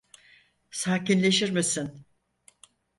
Sakinleşir misin?